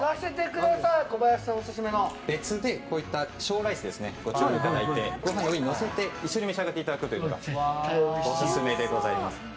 別でこういった小ライスをご注文いただいてご飯の上にのせて一緒に召し上がっていただくというのがオススメでございます。